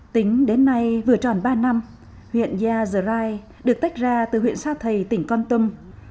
tính đến nay vừa tròn ba năm huyện yazirai được tách ra từ huyện sa thầy tỉnh con tâm